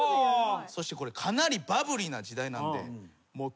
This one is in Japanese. そしてこれかなりバブリーな時代なんで。